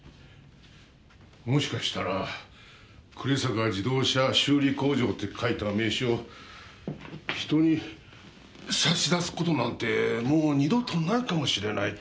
もしかしたら暮坂自動車修理工場って書いた名刺を人に差し出す事なんてもう二度とないかもしれない。